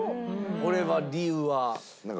これは理由は？